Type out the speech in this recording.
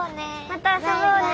また遊ぼうね！